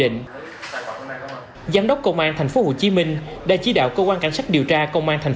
quy định giám đốc công an thành phố hồ chí minh đã chỉ đạo công an cảnh sát điều tra công an thành